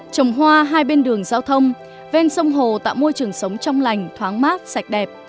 trồng hoa hai bên đường giao thông ven sông hồ tạo môi trường sống trong lành thoáng mát sạch đẹp